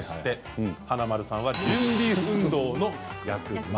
華丸さんは準備運動の焼く前。